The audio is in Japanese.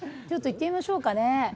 ちょっと行ってみましょうかね。